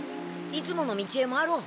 いつもの道へ回ろう。